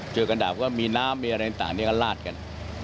ช่วยกันดับก็มีน้ำมีอะไรต่างที่ก็ลาดกัน